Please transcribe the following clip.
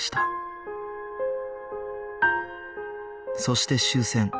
そして終戦